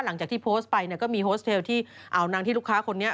หลังจากที่โพสต์ไปเนี่ยก็มีโฮสเทลที่เอานางที่ลูกค้าคนนี้